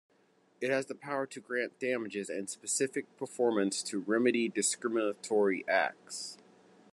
It has the power to grant damages and specific performance to remedy discriminatory acts.